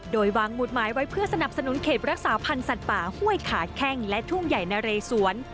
โดยวางหมุดหมายไว้เพื่อสนับสนุนเขตรักษาพันธ์สัตว์ป่าห้วยขาแข้งและทุ่งใหญ่นะเรสวน